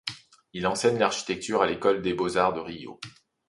Il enseigne l'architecture à l'école des Beaux-Arts de Rio.